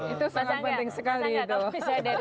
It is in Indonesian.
itu sangat penting sekali itu loh